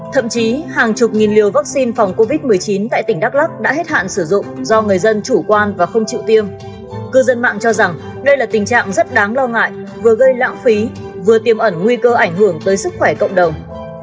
thậm chí hàng chục nghìn liều vaccine phòng covid một mươi chín tại tỉnh đắk lắc đã hết hạn sử dụng do người dân chủ quan và không chịu tiêm cư dân mạng cho rằng đây là tình trạng rất đáng lo ngại vừa gây lãng phí vừa tiêm ẩn nguy cơ ảnh hưởng tới sức khỏe cộng đồng